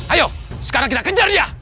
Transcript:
ayo sekarang kita kejar ya